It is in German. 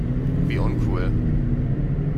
Wie uncool!